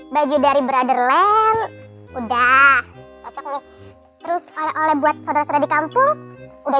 baju dari brotherland udah cocok nih terus oleh oleh buat saudara saudara di kampung udah